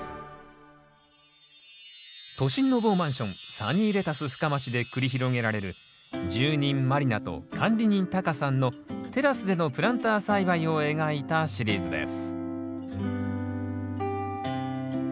サニーレタス深町で繰り広げられる住人満里奈と管理人タカさんのテラスでのプランター栽培を描いたシリーズです